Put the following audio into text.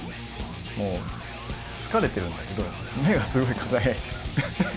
もう疲れてるんだけど目がすごい輝いてる。